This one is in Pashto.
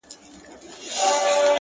د منصوري قسمت مي څو کاڼي لا نور پاته دي-